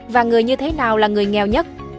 và người như thế nào là người nghèo nhất